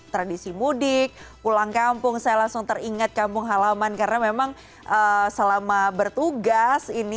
tradisi mudik pulang kampung saya langsung teringat kampung halaman karena memang selama bertugas ini